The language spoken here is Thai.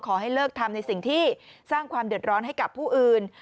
ขอให้เลิกทำในสิ่งที่สร้างความเดือดร้อนให้กับผู้อื่น